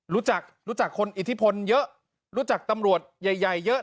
รู้จักรู้จักคนอิทธิพลเยอะรู้จักตำรวจใหญ่เยอะ